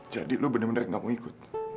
jadi lo bener bener gak mau ikut